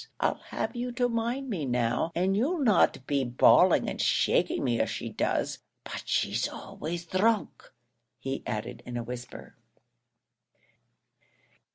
I'll have you to mind me now and you'll not be bawling and shaking me as she does; but she's always dhrunk," he added in a whisper.